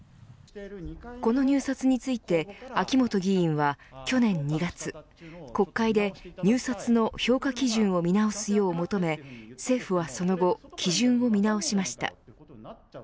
この入札について、秋本議員は去年２月、国会で入札の評価基準を見直すよう求め政府はその後基準を見直しました。